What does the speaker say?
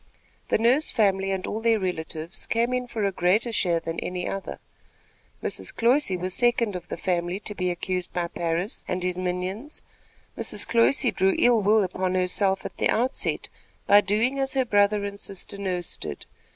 The Nurse family and all their relatives came in for a greater share than any other. Mrs. Cloyse was second of the family to be accused by Parris and his minions. Mrs. Cloyse drew ill will upon herself at the outset by doing as her brother and sister Nurse did.